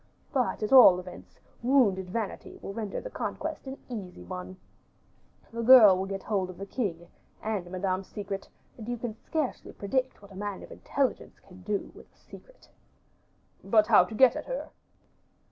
But, at all events, wounded vanity will render the conquest an easier one; the girl will get hold of the king, and Madame's secret, and you can scarcely predict what a man of intelligence can do with a secret." "But how to get at her?"